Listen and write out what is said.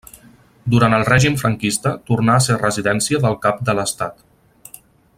Durant el règim franquista tornà a ser residència del cap de l'estat.